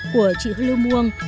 của chị hư lưu muông